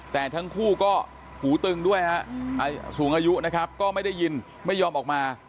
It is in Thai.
แต่ทั้งคู่ก็หูตึงด้วยฮะสูงอายุนะครับก็ไม่ได้ยินไม่ยอมออกมา